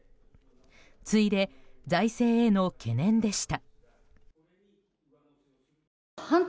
次いで、財政への懸念でした。